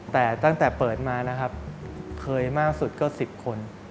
แต่ตั้งแต่เปิดมานะครับเคยมากสุดก็๑๐คน